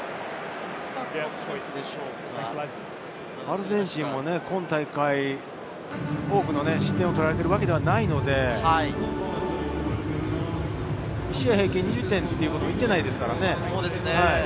アルゼンチンも今大会、多く失点しているわけではないので、１試合平均２０点はいってないですからね。